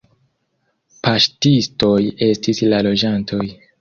Paŝtistoj estis la loĝantoj.